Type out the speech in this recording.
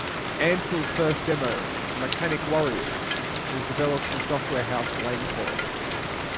Ancel's first demo, "Mechanic Warriors", was developed for software house Lankhor.